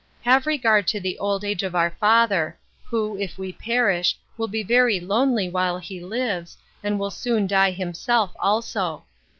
Have regard to the old age of our father, who, if we perish, will be very lonely while he lives, and will soon die himself also.